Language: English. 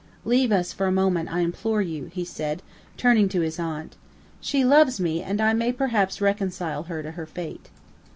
"Leave us for a moment, I implore you," he said, turning to his aunt. "She loves me, and I may perhaps reconcile her to her fate."